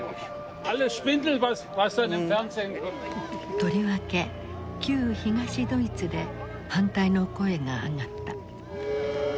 とりわけ旧東ドイツで反対の声が上がった。